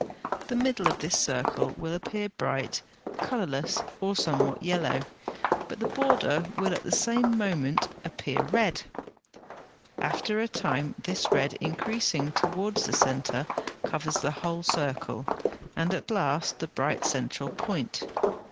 The middle of this circle will appear bright, colourless, or somewhat yellow, but the border will at the same moment appear red. After a time this red, increasing towards the centre, covers the whole circle, and at last the bright central point.